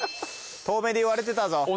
遠めで言われてたぞ。